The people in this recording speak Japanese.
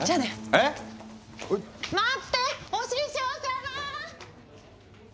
えぇっ⁉待ってお師匠様ぁ！